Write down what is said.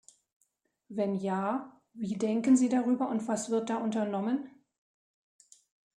Wenn ja, wie denken Sie darüber und was wird da unternommen?